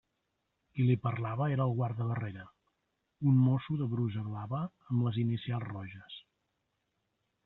Qui li parlava era el guardabarrera, un mosso de brusa blava amb les inicials roges.